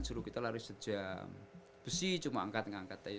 suruh kita lari sejam besi cuma angkat ngangkat aja